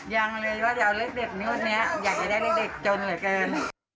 ยังเลยว่าเดี๋ยวเล็กเด็ดนู้นนี้อยากจะได้เล็กเด็กจนเหลือเกิน